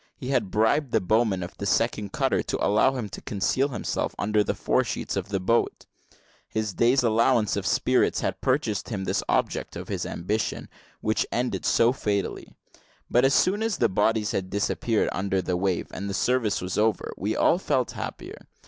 He had bribed the bowman of the second cutter to allow him to conceal himself under the foresheets of the boat. His day's allowance of spirits had purchased him this object of his ambition, which ended so fatally. But as soon as the bodies had disappeared under the wave, and the service was over, we all felt happier.